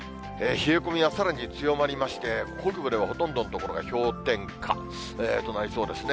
冷え込みはさらに強まりまして、北部ではほとんどの所が氷点下となりそうですね。